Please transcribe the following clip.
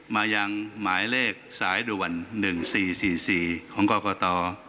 มายังหมายเลขสายดวนหนึ่งสี่สี่สี่ของกกต